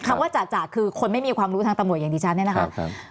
คำว่าจ่ะคือคนไม่มีความรู้ทางตะหมดอย่างดิจันทร์เนี่ยนะคะ